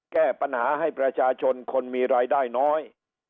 แก้ปัญหาให้ประชาชนคนมีรายได้น้อย